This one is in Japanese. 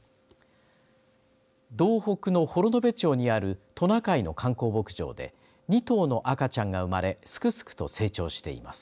道北の幌延町にあるトナカイの観光牧場で２頭の赤ちゃんが生まれすくすくと成長しています。